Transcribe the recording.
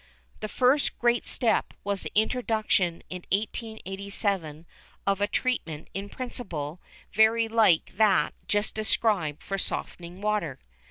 The first great step was the introduction, in 1887, of a treatment in principle very like that just described for softening water.